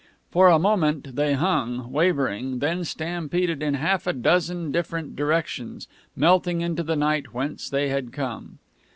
For a moment they hung, wavering, then stampeded in half a dozen different directions, melting into the night whence they had come.